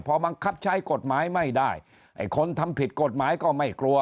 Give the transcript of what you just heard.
พอบังคับใช้กฎหมายไม่ได้ไอ้คนทำผิดกฎหมายก็ไม่กลัว